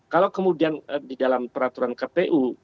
kalau kemudian di dalam peraturan kpu